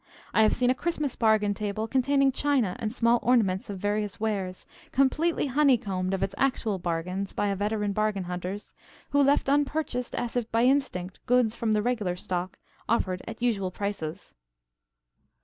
I have seen a Christmas bargain table containing china and small ornaments of various wares, completely honeycombed of its actual bargains by veteran bargain hunters, who left unpurchased as if by instinct goods from the regular stock, offered at usual prices.